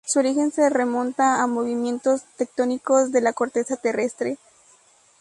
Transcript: Su origen se remonta a movimientos tectónicos de la corteza terrestre.